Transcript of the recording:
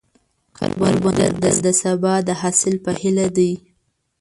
کروندګر د سبا د حاصل په هیله دی